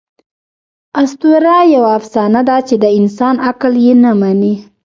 آسطوره یوه افسانه ده، چي د انسان عقل ئې نه مني.